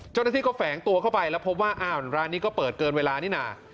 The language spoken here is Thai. เจ้าหน้าที่ก็แฝงตัวเข้าไปแล้วพบว่าอ้าวร้านนี้ก็เปิดเกินเวลานี่น่ะ